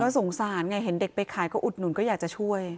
สงสารไงเห็นเด็กไปขายก็อุดหนุนก็อยากจะช่วย